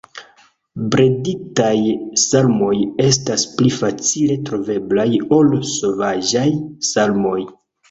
Breditaj salmoj estas pli facile troveblaj ol sovaĝaj salmoj.